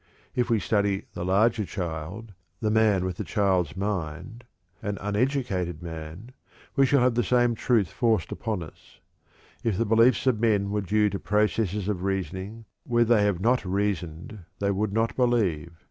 If we study the larger child, the man with a child's mind, an uneducated man, we shall have the same truth forced upon us. If the beliefs of men were due to processes of reasoning, where they have not reasoned they would not believe.